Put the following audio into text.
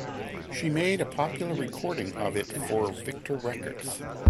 She made a popular recording of it for Victor Records.